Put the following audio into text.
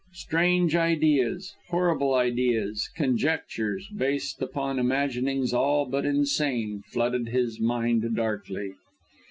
Strange ideas, horrible ideas, conjectures based upon imaginings all but insane, flooded his mind darkly.